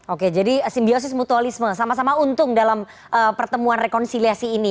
oke jadi simbiosis mutualisme sama sama untung dalam pertemuan rekonsiliasi ini